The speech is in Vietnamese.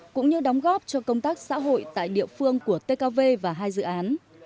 cũng như đóng góp cho công tác xã hội tại địa phương của tkv và hai dự án